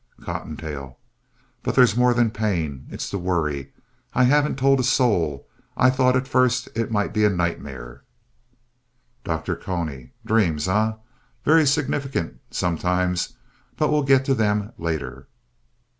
COTTONTAIL But there's more than the pain. It's the worry. I haven't told a soul. I thought at first it might be a nightmare. DR. CONY Dreams, eh? Very significant, sometimes, but we'll get to them later.